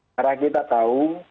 karena kita tahu